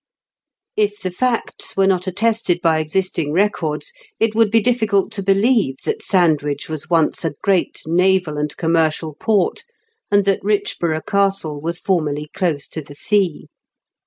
If the facts were not attested by existing records, it would be difficult to believe that Sandwich was once a great naval and com mercial port, and that Eichborough Castle was formerly close to the sea.